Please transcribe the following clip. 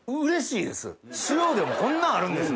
塩でもこんなんあるんですね！